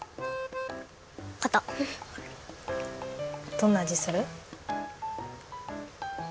どんなあじする？